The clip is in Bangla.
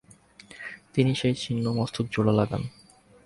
তিনি সেই ছিন্ন মস্তক জোড়া লাগান।